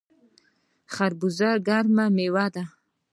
خربوزه ګرمه میوه ده